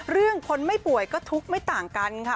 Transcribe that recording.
เรื่องคนไม่ป่วยก็ทุกข์ไม่ต่างกันค่ะ